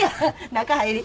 中入り。